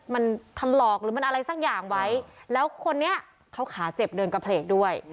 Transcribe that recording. มันทำหลอกหรือมันอะไรสักอย่างไว้แล้วคนนี้เขาขาเจ็บเดินกระเพลกด้วย